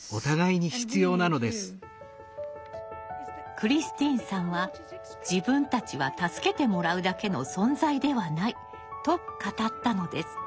クリスティーンさんは「自分たちは助けてもらうだけの存在ではない」と語ったのです。